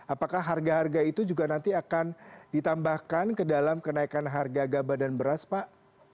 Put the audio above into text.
apakah harga harga itu juga nanti akan ditambahkan ke dalam kenaikan harga gabah dan beras pak